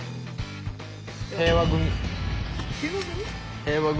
平和組？